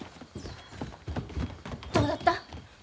どうだった？